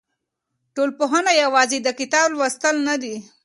ټولنپوهنه یوازې د کتاب لوستل نه دي.